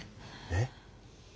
えっ⁉